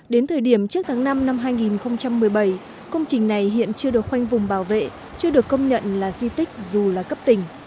đến thời điểm trước tháng năm năm hai nghìn một mươi bảy công trình này hiện chưa được khoanh vùng bảo vệ chưa được công nhận là di tích dù là cấp tỉnh